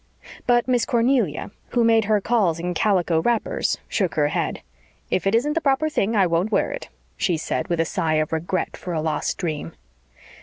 But Miss Cornelia, who made her calls in calico wrappers, shook her head. "If it isn't the proper thing I won't wear it," she said, with a sigh of regret for a lost dream.